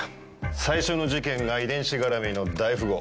最初の事件が遺伝子絡みの大富豪。